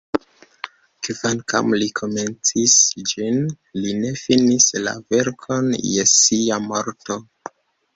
Kvankam Li komencis ĝin, Li ne finis la verkon je Sia morto.